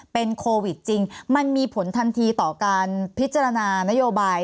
เป็นโควิดจริงมันมีผลทันทีต่อการพิจารณานโยบาย